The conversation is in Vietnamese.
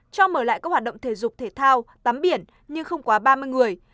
cho mở lại các hoạt động thể dục thể thao tắm biển nhưng không quá ba mươi người